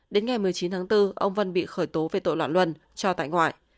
đến ngày một mươi chín tháng bốn ông vân bị khởi tố về tội loạn luân cho tại ngoại